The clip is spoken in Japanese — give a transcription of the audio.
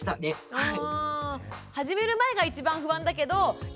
はい。